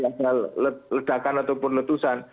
asal ledakan ataupun letusan